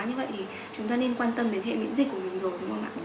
như vậy thì chúng ta nên quan tâm đến hệ miễn dịch của mình rồi đúng không ạ